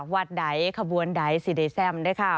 หวัดไดขบวนใด๔ใดแซ่มนะค่ะ